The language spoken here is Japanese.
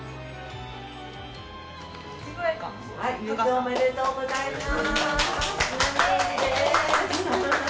おめでとうございます。